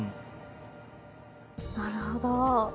なるほど。